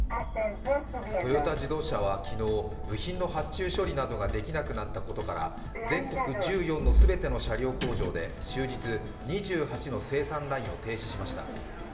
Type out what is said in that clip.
トヨタ自動車は昨日、部品の発注処理などができなくなったことなどから全国１４の全ての車両工場で終日２８の生産ラインを停止しました。